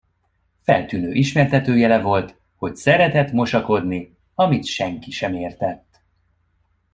Feltűnő ismertetőjele volt, hogy szeretett mosakodni, amit senki sem értett.